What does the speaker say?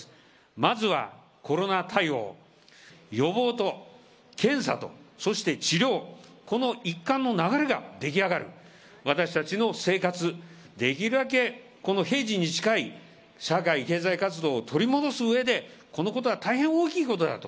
まずはコロナ対応、予防と検査と、そして治療、この一貫の流れが出来上がる、私達の生活、できるだけこの平時に近い社会経済活動を取り戻す上で、このことは大変大きいことだと。